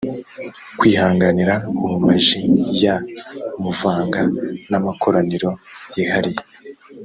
kwihanganira ubumaji y muvanga n amakoraniro yihariye